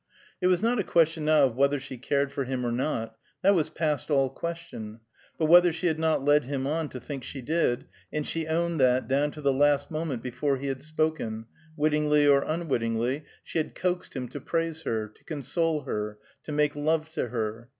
It was not a question now of whether she cared for him, or not; that was past all question; but whether she had not led him on to think she did, and she owned that down to the last moment before he had spoken, wittingly or unwittingly she had coaxed him to praise her, to console her, lo make love to her.